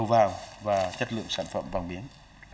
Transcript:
quần quý liệu đầu vàng và chất lượng sản phẩm vàng miếng